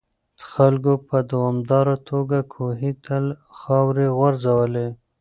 خلکو په دوامداره توګه کوهي ته خاورې غورځولې.